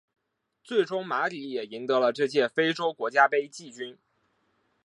最终马里也赢得了这届非洲国家杯季军。